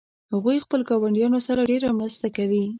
هغوی خپل ګاونډیانو سره ډیره مرسته کوي